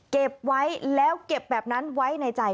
เก็บไว้แล้วเก็บแบบนั้นไว้ในใจ